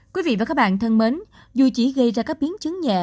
quý vị và các bạn thân mến dù chỉ gây ra các biến chứng nhẹ